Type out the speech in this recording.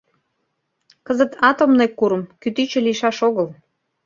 Кызыт атомный курым, кӱтӱчӧ лийшаш огыл...